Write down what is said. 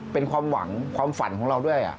เป็นความหวังความฝันของเราด้วย